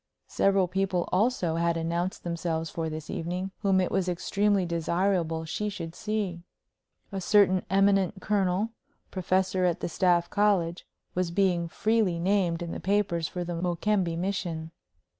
Several people also had announced themselves for this evening whom it was extremely desirable she should see. A certain eminent colonel, professor at the Staff College, was being freely named in the papers for the Mokembe mission.